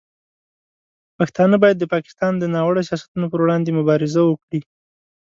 پښتانه باید د پاکستان د ناوړه سیاستونو پر وړاندې مبارزه وکړي.